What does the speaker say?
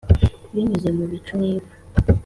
binyuze mu bicu nk'ivu